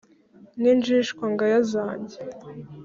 n’injyishywa nganya zanjye,